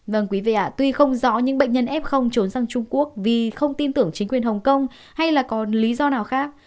vâng quý vị ạ tuy không rõ những bệnh nhân f trốn sang trung quốc vì không tin tưởng chính quyền hồng kông hay là còn lý do nào khác